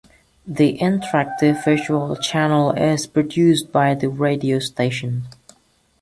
The interactive visual channel is produced by the radio station.